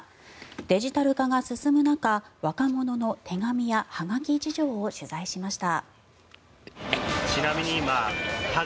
デジタル化が進む中若者の手紙やはがき事情を取材しました。